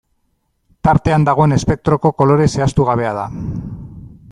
Tartean dagoen espektroko kolore zehaztu gabea da.